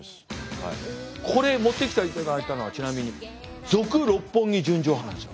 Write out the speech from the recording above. これ持ってきていただいたのはちなみに「続・六本木純情派」なんですよ。